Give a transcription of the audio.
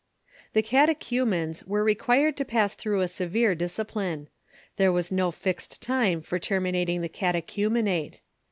The catechumens were required to pass through a severe discipline. There was no fixed time for terminating the cate chumenate.